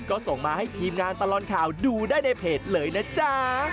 ก็ส่งมาให้ทีมงานตลอดข่าวดูได้ในเพจเลยนะจ๊ะ